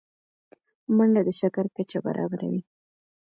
منډه د شکر کچه برابروي